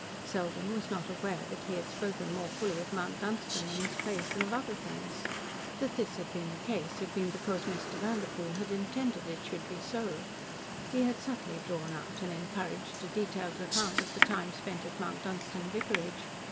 Selden was not aware that he had spoken more fully of Mount Dunstan and his place than of other things. That this had been the case, had been because Mr. Vanderpoel had intended it should be so. He had subtly drawn out and encouraged a detailed account of the time spent at Mount Dunstan vicarage.